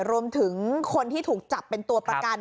รวมถึงคนที่ถูกจับเป็นตัวประกัน